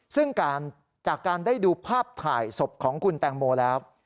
ซึ่งจากการได้ดูภาพถ่ายศพของคุณแตงโมแล้ว